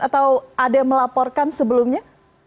atau ada melaporkan sebelumnya